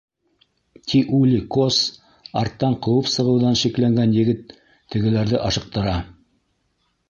Тиули-Кос арттан ҡыуып сығыуҙан шикләнгән егет тегеләрҙе ашыҡтыра.